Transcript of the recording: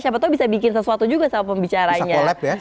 siapa tau bisa bikin sesuatu juga sama pembicaranya